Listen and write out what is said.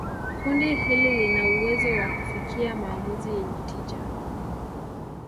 kundi hili lina uwezo wa kufikia maamuzi yenye tija